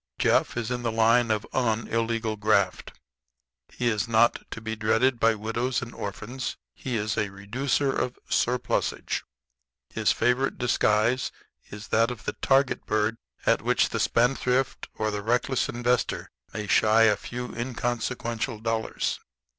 Jeff is in the line of unillegal graft. He is not to be dreaded by widows and orphans; he is a reducer of surplusage. His favorite disguise is that of the target bird at which the spendthrift or the reckless investor may shy a few inconsequential dollars.